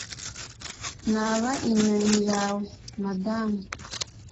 Naba inyoni yawe Madamu